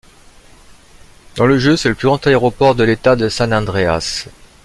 Dans le jeu, c'est le plus grand aéroport de l'État de San Andreas.